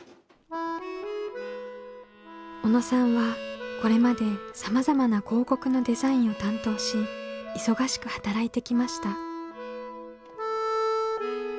小野さんはこれまでさまざまな広告のデザインを担当し忙しく働いてきました。